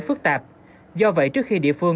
phức tạp do vậy trước khi địa phương